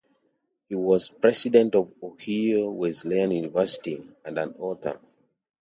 He was president of Ohio Wesleyan University and an author.